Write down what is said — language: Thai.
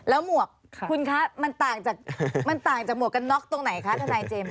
แล้วหมวกคุณคะมันต่างจากหมวกกันน็อกตรงไหนคะท่านไทยเจมส์